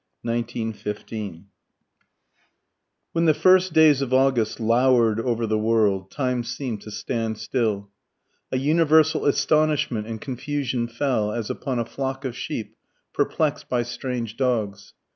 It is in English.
INTRODUCTION When the first days of August loured over the world, time seemed to stand still. A universal astonishment and confusion fell, as upon a flock of sheep perplexed by strange dogs.